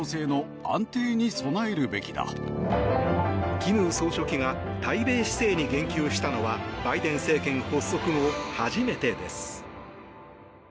金総書記が対米姿勢に言及したのはバイデン政権発足後初めてです。